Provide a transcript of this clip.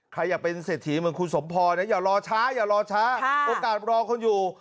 ใครอยากเป็นเศรษฐีเหมือนคุณสมพรนะอย่ารอช้าอย่ารอช้าโอกาสรอคนอยู่